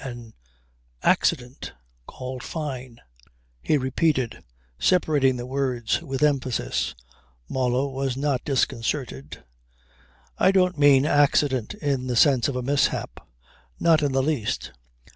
"An accident called Fyne," he repeated separating the words with emphasis. Marlow was not disconcerted. "I don't mean accident in the sense of a mishap. Not in the least.